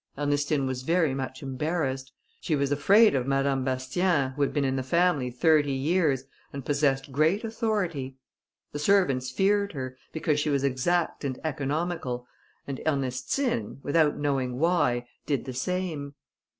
Ernestine was very much embarrassed; she was afraid of Madame Bastien, who had been in the family thirty years, and possessed great authority. The servants feared her, because she was exact and economical, and Ernestine, without knowing why, did the same.